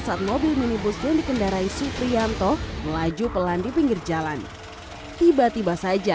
saat mobil minibus yang dikendarai suprianto melaju pelan di pinggir jalan tiba tiba saja